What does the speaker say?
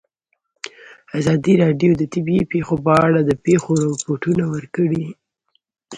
ازادي راډیو د طبیعي پېښې په اړه د پېښو رپوټونه ورکړي.